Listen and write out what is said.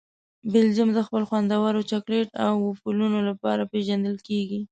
بلجیم د خپل خوندور چاکلېټ او وفلونو لپاره پېژندل کیږي.